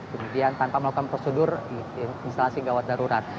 kemudian tanpa melakukan prosedur instalasi gawat darurat